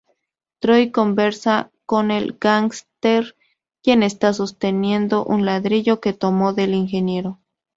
Troi conversa con el gánster, quien está sosteniendo un ladrillo que tomó del ingeniero.